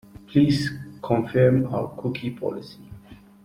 Please confirm our cookie policy.